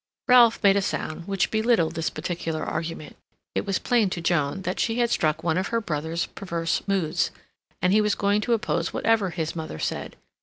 Ralph made a sound which belittled this particular argument. It was plain to Joan that she had struck one of her brother's perverse moods, and he was going to oppose whatever his mother said.